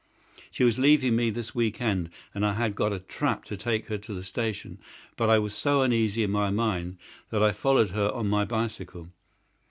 She was leaving me this week end, and I had got a trap to take her to the station, but I was so uneasy in my mind that I followed her on my bicycle.